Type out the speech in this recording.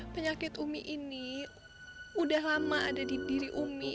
penyakit umi ini udah lama ada di diri umi